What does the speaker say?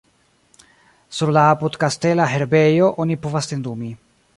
Sur la apud-kastela herbejo oni povas tendumi.